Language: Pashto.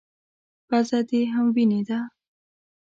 _پزه دې هم وينې ده.